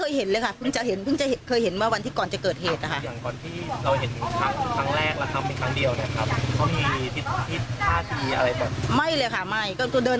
เวลาก่อนผู้ชายไม่ได้รู้ที่สั้นไปว่าเขาเป็นคนจีน